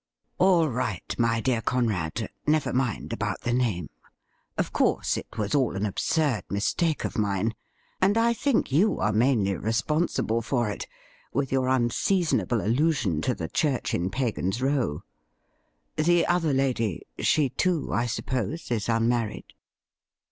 'All right, my dear Conrad. Never mind about the name. Of course, it was all an absurd mistake of mine, and I think you are mainly responsible for it, with your unsesisonable allusion to the church in Pagan's Row. The other lady — she, too, I suppose, is unmarried